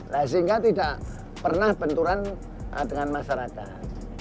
nah sehingga tidak pernah benturan dengan masyarakat